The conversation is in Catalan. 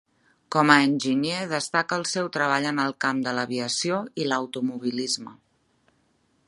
Com a enginyer destaca el seu treball en el camp de l'aviació i l'automobilisme.